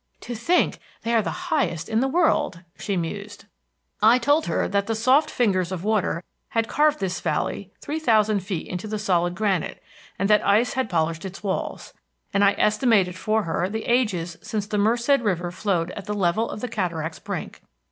"To think they are the highest in the world!" she mused. I told her that the soft fingers of water had carved this valley three thousand feet into the solid granite, and that ice had polished its walls, and I estimated for her the ages since the Merced River flowed at the level of the cataract's brink.